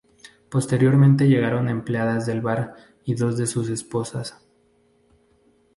Posteriormente llegaron empleadas del bar y dos de sus esposas.